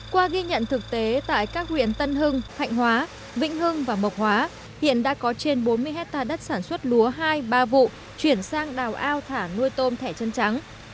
qua ghi nhận thực tế tại các huyện tân hưng thạnh hóa vĩnh hưng và mộc hóa hiện đã có trên bốn mươi hectare đất sản xuất lúa hai ba vụ chuyển sang đảo ao thả nuôi tôm thẻ chân trắng